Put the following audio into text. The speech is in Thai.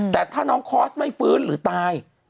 แต่ถ้าน้องคอร์สไม่ฟื้นหรือตาย